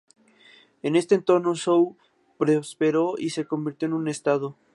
En este entorno Zhou prosperó y se convirtió en un estado.